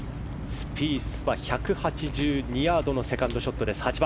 スピースは１８２ヤードのセカンドショット。